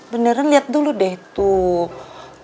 beneran lihat dulu deh tuh